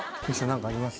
何かあります？